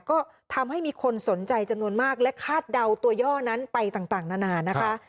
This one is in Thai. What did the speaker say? ก็ทำให้มีคนสนใจจำนวนมากและคาดเดาตัวย่อนั้นไปต่างนานานะคะ